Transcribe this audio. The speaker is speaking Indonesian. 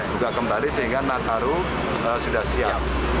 buka kembali sehingga natal haru sudah siap